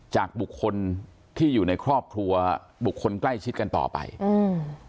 จากบุคคลที่อยู่ในครอบครัวบุคคลใกล้ชิดกันต่อไปอืม